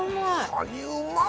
カニうまっ！